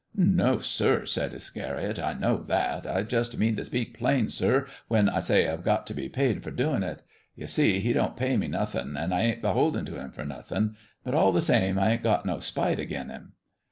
"No, sir," said Iscariot, "I know that. I just mean to speak plain, sir, when I say I've got to be paid for doing it. You see, He don't pay me nothing, and I ain't beholden to Him for nothing, but, all the same, I ain't got no spite agin Him."